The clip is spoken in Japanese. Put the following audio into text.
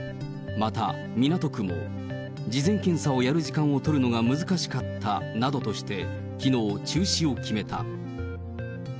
また港区も、事前検査をやる時間を取るのが難しかったなどとして、きのう、中止を決めた。